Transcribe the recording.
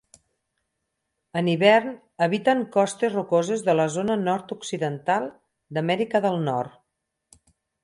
En hivern habiten costes rocoses de la zona nord-occidental d'Amèrica del Nord.